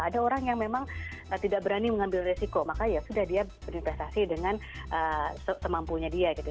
ada orang yang memang tidak berani mengambil resiko maka ya sudah dia berinvestasi dengan semampunya dia gitu